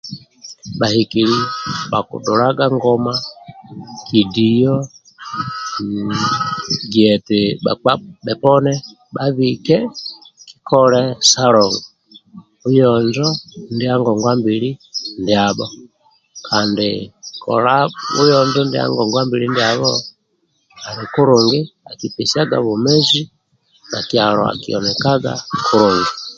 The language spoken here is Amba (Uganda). Bhahikili bhakudhulaga ngoma kidiyo giya eti bakpa bhoponi babhike kikole salongo ndia ngongwambili ndyabho kandi kola buyonjo ndya ngongwambili ndyabho ali kulungi akipesyaga bwomezi nakyalo akihenikaga kulungi